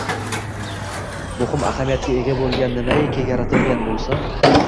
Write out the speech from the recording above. Muhim ahamiyatga ega bo’lgan nimaiki yaratilgan bo’lsa